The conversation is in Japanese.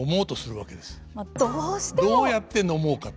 どうやって飲もうかと。